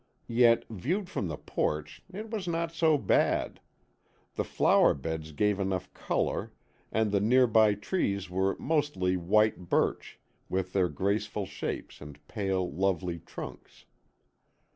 Yet, viewed from the porch, it was not so bad. The flower beds gave enough colour, and the near by trees were mostly white birch, with their graceful shapes and pale, lovely trunks.